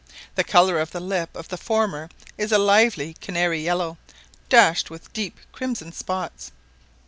The colour of the lip of the former is a lively canary yellow, dashed with deep crimson spots.